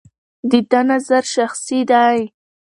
د ده نظر شخصي دی.